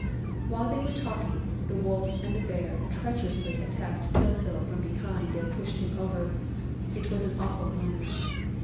While they were talking, the Wolf and the Bear treacherously attacked Tyltyl from behind and pushed him over. It was an awful moment.